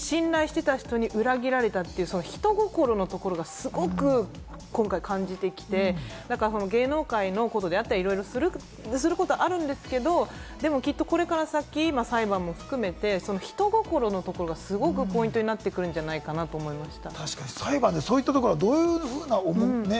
これは私、最後のお母さんへの言葉、それから綾野さんが信頼していた人に裏切られたという人心のところがすごく今回感じてきて、芸能界のことであったりすることあるんですけれども、きっとこれから先、裁判も含めて人ごころのところすごくポイントになってくるんじゃないかなと思いました。